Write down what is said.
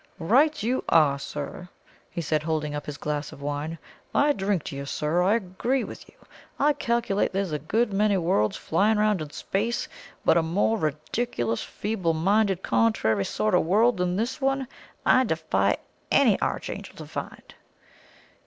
"Right you are, sir!" he said, holding up his glass of wine. "I drink to you! Sir, I agree with you! I calculate there's a good many worlds flying round in space, but a more ridiculous, feeble minded, contrary sort of world than this one, I defy any archangel to find!"